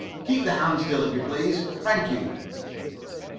Keep the hand still, if you please. Thank you."